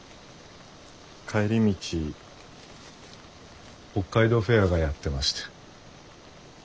帰り道北海道フェアがやってまして。